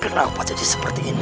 kenapa jadi seperti ini